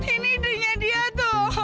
ini dengannya dia tuh